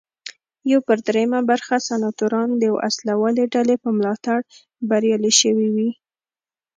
یو پر درېیمه برخه سناتوران د وسله والې ډلې په ملاتړ بریالي شوي وي.